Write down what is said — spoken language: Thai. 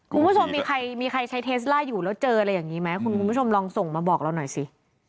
คุณผู้ชมมีใครมีใครใช้เทสล่าอยู่แล้วเจออะไรอย่างนี้ไหมคุณผู้ชมลองส่งมาบอกเราหน่อยสิ